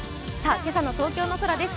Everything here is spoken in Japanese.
今朝の東京の空です。